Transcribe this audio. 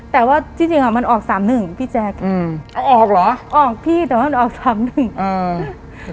แต่ว่าที่จริงอ่ะมันออกสามหนึ่งพี่แจ๊คอืมเอาออกเหรอออกพี่แต่ว่ามันออกสามหนึ่งอ่า